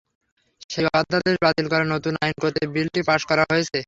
সেই অধ্যাদেশ বাতিল করে নতুন আইন করতে বিলটি পাস করা হয়েছে।